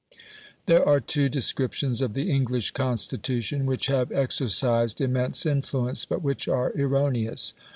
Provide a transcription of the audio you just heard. There are two descriptions of the English Constitution which have exercised immense influence, but which are erroneous.